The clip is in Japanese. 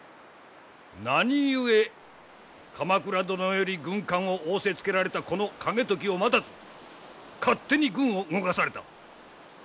何故鎌倉殿より軍監を仰せつけられたこの景時を待たず勝手に軍を動かされた？